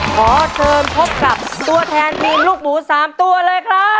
ขอเชิญพบกับตัวแทนทีมลูกหมู๓ตัวเลยครับ